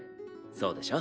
そうでしょ？